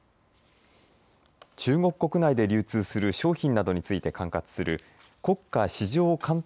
中国国内で流通する商品などについて管轄する国家市場監督